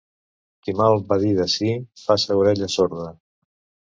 Qui mal va dir de si, faça orella sorda.